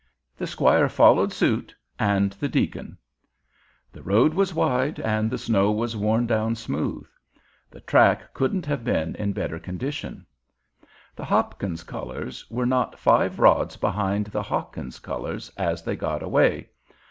The squire followed suit and the deacon. The road was wide and the snow was worn down smooth. The track couldn't have been in better condition. The Hopkins colors were not five rods behind the Hawkins colors as they got away.